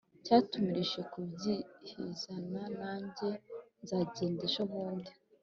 Cyatumirijwe kubyizihiza Na njye nzagenda ejobundi